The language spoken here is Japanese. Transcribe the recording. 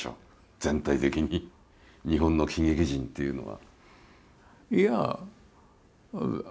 全体的に日本の喜劇人っていうのは。